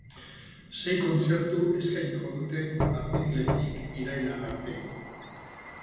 Sei kontzertu eskainiko dute apiriletik irailera arte.